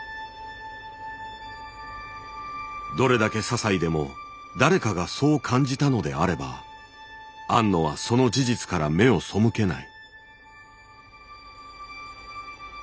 どれだけ些細でも誰かがそう感じたのであれば庵野はその事実から目を背けない。